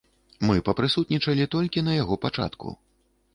Мы папрысутнічалі толькі на яго пачатку.